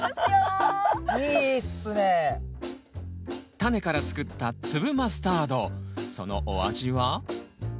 タネから作った粒マスタードそのお味は？